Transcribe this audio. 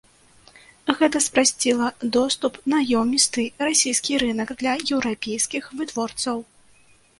Гэта спрасціла доступ на ёмісты расійскі рынак для еўрапейскіх вытворцаў.